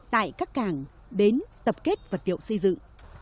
tại các cảng bến tập kết vật liệu xây dựng